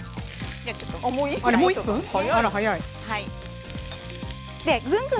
もう１分？